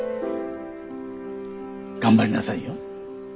頑張りなさいよ。